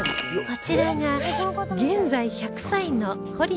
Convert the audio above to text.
こちらが現在１００歳の堀野智子さん